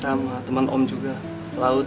sama temen om juga pelaut